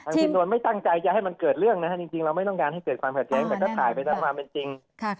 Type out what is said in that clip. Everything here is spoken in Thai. จำนวนไม่ตั้งใจจะให้มันเกิดเรื่องนะฮะจริงเราไม่ต้องการให้เกิดความขัดแย้งแต่ก็ถ่ายไปตามความเป็นจริง